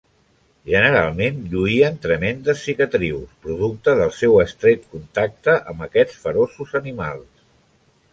Generalment lluïen tremendes cicatrius, producte del seu estret contacte amb aquests feroços animals.